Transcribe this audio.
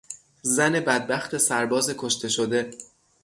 زن بدبخت سرباز کشته شده